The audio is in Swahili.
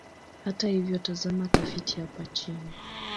Hata hivyo, tazama tafiti hapa chini.